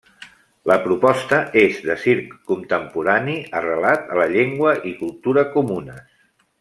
La proposta és de circ contemporani arrelat a la llengua i cultura comunes.